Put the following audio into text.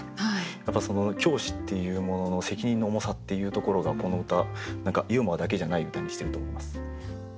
やっぱり教師っていうものの責任の重さっていうところがこの歌ユーモアだけじゃない歌にしてると思います。